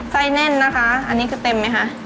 แน่นนะคะอันนี้คือเต็มไหมคะ